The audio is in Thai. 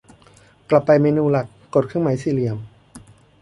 กลับไปเมนูหลัก กดเครื่องหมายสี่เหลี่ยม